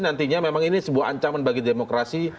nantinya memang ini sebuah ancaman bagi demokrasi